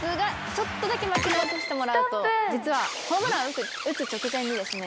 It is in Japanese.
ちょっとだけ巻き戻してもらうと実はホームラン打つ直前にですね。